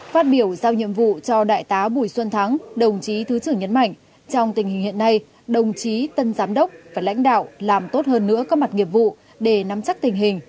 phát biểu giao nhiệm vụ cho đại tá bùi xuân thắng đồng chí thứ trưởng nhấn mạnh trong tình hình hiện nay đồng chí tân giám đốc và lãnh đạo làm tốt hơn nữa các mặt nghiệp vụ để nắm chắc tình hình